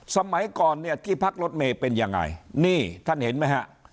สมัยก่อนเนี่ยที่พักรถเมย์เป็นยังไงนี่ท่านเห็นไหมฮะ